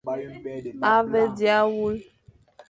A he dia wule.